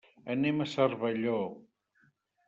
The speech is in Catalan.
Anem a Cervelló.